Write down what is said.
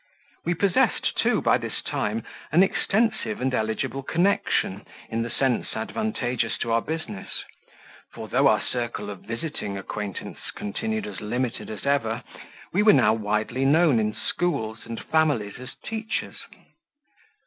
We possessed, too, by this time, an extensive and eligible connection, in the sense advantageous to our business; for, though our circle of visiting acquaintance continued as limited as ever, we were now widely known in schools and families as teachers.